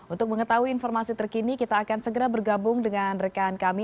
untuk mengetahui informasi terkini kita akan segera bergabung dengan rekan kami